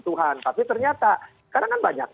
tuhan tapi ternyata kadang kadang banyak